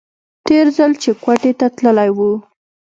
تېر ځل چې کوټې ته تللى و.